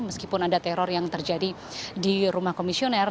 meskipun ada teror yang terjadi di rumah komisioner